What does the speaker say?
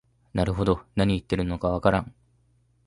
なるほど、なに言ってるのかわからん